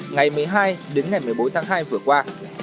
ngày một mươi hai đến ngày một mươi bốn tháng hai vừa qua